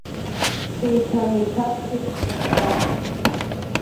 Сеиҭанеиҭаԥеит шьҭахьҟа.